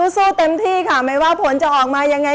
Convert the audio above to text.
สู้เต็มที่ค่ะไม่ว่าผลจะออกมายังไง